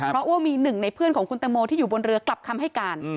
เพราะว่ามีหนึ่งในเพื่อนของคุณตังโมที่อยู่บนเรือกลับคำให้การ